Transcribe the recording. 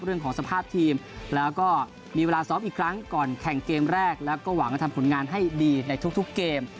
เรื่องของสภาพทีมแล้วก็มีเวลาซ้อมอีกครั้งก่อนแข่งเกมแรกแล้วก็หวังจะทำผลงานให้ดีในทุกเกม